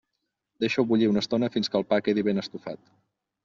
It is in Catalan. Deixeu-ho bullir una estona fins que el pa quedi ben estufat.